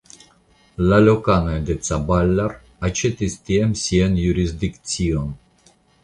La lokanoj de Caballar aĉetis tiam sian jurisdikcion.